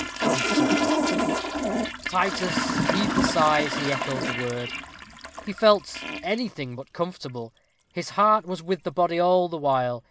Comfortable! Titus heaved a sigh as he echoed the word. He felt anything but comfortable. His heart was with the body all the while.